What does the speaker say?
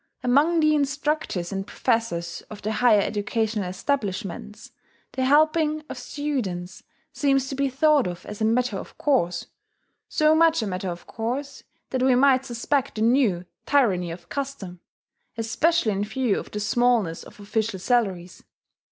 Among the instructors and professors of the higher educational establishments, the helping of students seems to be thought of as a matter of course, so much a matter of course that we might suspect a new "tyranny of custom," especially in view of the smallness of official salaries.